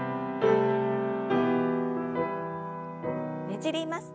ねじります。